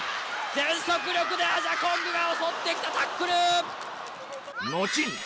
全速力でアジャコングが襲ってきたタックル！